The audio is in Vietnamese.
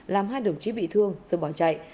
làm hai đồng chí bị thương rồi bỏ chạy